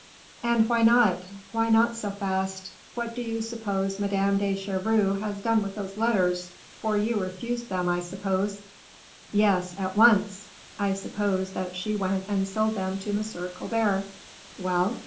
"And why not? why not so fast? What do you suppose Madame de Chevreuse has done with those letters for you refused them, I suppose?" "Yes; at once. I suppose that she went and sold them to M. Colbert." "Well?"